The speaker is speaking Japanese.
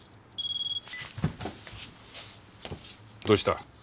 どうした？